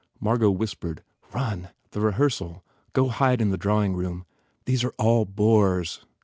M argot whispered, "Run. The rehearsal. Go hide in the drawing room. These are all bores."